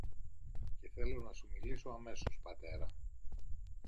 Και θέλω να σου μιλήσω αμέσως, πατέρα.